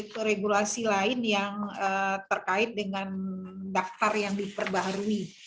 dan juga regulasi lain yang terkait dengan daftar yang diperbaharui